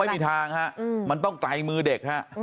ไม่มีทางฮะมันต้องไกลมือเด็กฮะ